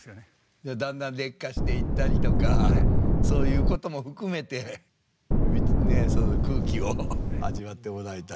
じゃあだんだん劣化していったりとかそういうことも含めてその空気を味わってもらいたい。